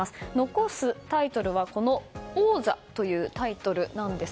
残すタイトルは王座というタイトルなんです。